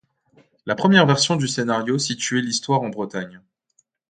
La première version du scénario situait l'histoire en Bretagne.